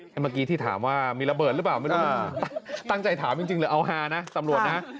เมื่อกี้ที่ถามว่ามีระเบิดหรือเปล่าไม่รู้ตั้งใจถามจริงเลยเอาฮานะตำรวจนะ